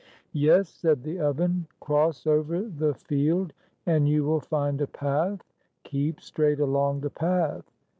"Yes," said the oven. "Cross over the field 42 and you will find a path. Keep straight along the path."